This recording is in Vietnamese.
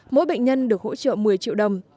mỗi bệnh nhân được hỗ trợ một mươi triệu đồng